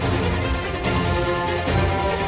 tidak ada yang bisa dihukum